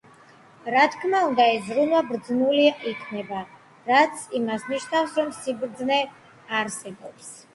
რა თქმა უნდა, ეს ზრუნვა ბრძნული იქნება, რაც იმის ნიშანია, რომ სიბრძნე არსებობს.